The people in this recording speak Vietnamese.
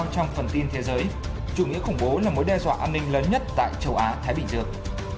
trong phần tin thế giới chủ nghĩa khủng bố là mối đe dọa an ninh lớn nhất tại châu á thái bình dương